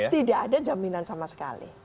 tidak ada jaminan sama sekali